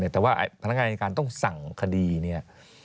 แต่ว่าพนักงานอันตริการต้องสั่งคดี